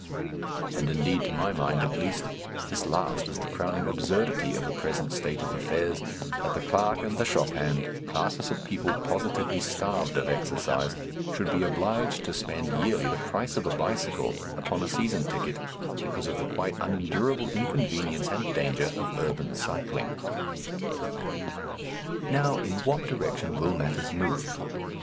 And, indeed, to my mind at least, this last is the crowning absurdity of the present state of affairs, that the clerk and the shop hand, classes of people positively starved of exercise, should be obliged to spend yearly the price of a bicycle upon a season ticket, because of the quite unendurable inconvenience and danger of urban cycling. Now, in what direction will matters move?